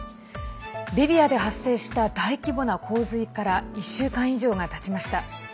リビアで発生した大規模な洪水から１週間以上がたちました。